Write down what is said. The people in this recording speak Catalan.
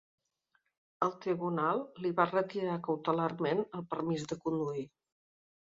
El tribunal li va retirar cautelarment el permís de conduir.